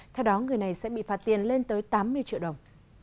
theo đó người này sẽ bị phạt tiền lên tới tám mươi triệu đồng